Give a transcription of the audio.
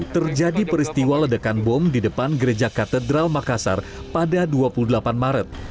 terjadi peristiwa ledakan bom di depan gereja katedral makassar pada dua puluh delapan maret